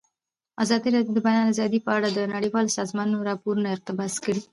ازادي راډیو د د بیان آزادي په اړه د نړیوالو سازمانونو راپورونه اقتباس کړي.